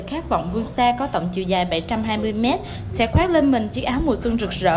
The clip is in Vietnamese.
khát vọng vươn xa có tổng chiều dài bảy trăm hai mươi mét sẽ khoát lên mình chiếc áo mùa xuân rực rỡ